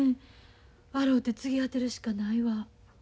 洗うて継ぎ当てるしかないわ。